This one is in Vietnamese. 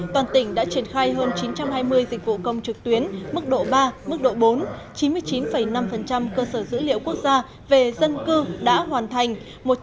toàn tỉnh đã triển khai hơn chín trăm hai mươi dịch vụ công trực tuyến mức độ ba mức độ bốn chín mươi chín năm cơ sở dữ liệu quốc gia về dân cư đã hoàn thành